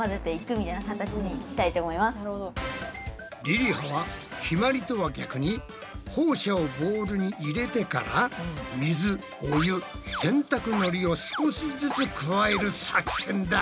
りりははひまりとは逆にホウ砂をボウルに入れてから水お湯洗濯のりを少しずつ加える作戦だ。